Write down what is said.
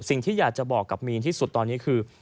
สิ่งที่อยากจะบอกกับมีนที่สุดตอนนี้คือ